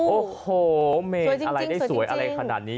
โอ้โหเมนอะไรได้สวยอะไรขนาดนี้